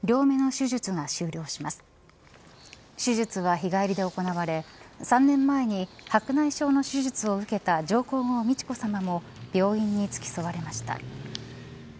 手術は日帰りで行われ３年前に白内障の手術を受けた上皇后美智子さまも病院につき添われました。